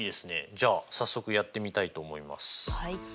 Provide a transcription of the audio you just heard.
じゃあ早速やってみたいと思います。